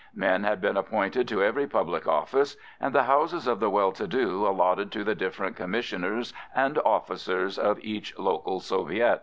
Men had been appointed to every public office, and the houses of the well to do allotted to the different Commissioners and officers of each local Soviet.